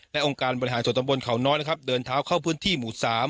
และองค์การบริหารส่วนตำบลเขาน้อยนะครับเดินเท้าเข้าพื้นที่หมู่๓